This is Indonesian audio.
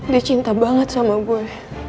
dia cinta banget sama gue